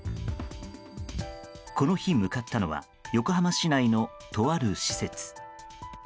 この日、向かったのは横浜市内のとある施設。